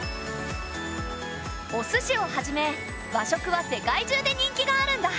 おすしをはじめ和食は世界中で人気があるんだ。